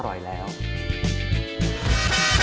โปรดติดตามตอนต่อไป